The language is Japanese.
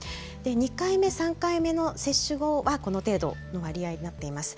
２回目、３回目の接種後はこの程度の割合になっています。